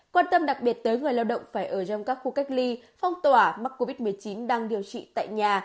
quan tâm đặc biệt tới người lao động phải ở trong các khu cách ly phong tỏa mắc covid một mươi chín đang điều trị tại nhà